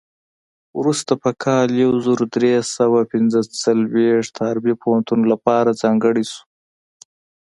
وروسته په کال یو زر درې سوه پنځه څلوېښت حربي پوهنتون لپاره ځانګړی شو.